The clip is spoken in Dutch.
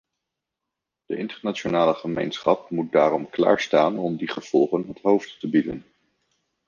De internationale gemeenschap moet daarom klaar staan om die gevolgen het hoofd te bieden.